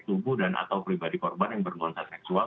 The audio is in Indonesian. tubuh dan atau pribadi korban yang bernuansa seksual